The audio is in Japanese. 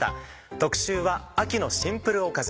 特集は「秋のシンプルおかず」。